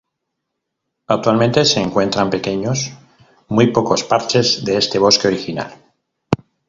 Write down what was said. Actualmente se encuentran pequeños muy pocos parches de este bosque original.